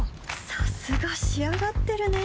さすが仕上がってるね